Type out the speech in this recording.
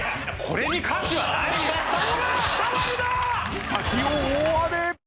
スタジオ大荒れ！